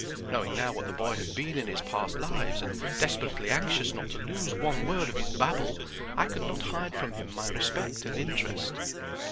Knowing now what the boy had been in his past lives, and desperately anxious not to lose one word of his babble, I could not hide from him my respect and interest.